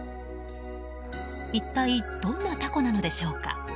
一体どんなタコなのでしょうか。